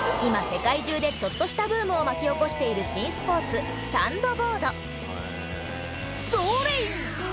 世界中でちょっとしたブームを巻き起こしている新スポーツ「それ！」